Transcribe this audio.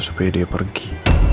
supaya dia pergi